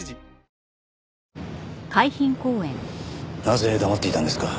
なぜ黙っていたんですか？